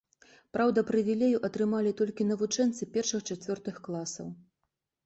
Праўда, прывілею атрымалі толькі навучэнцы першых-чацвёртых класаў.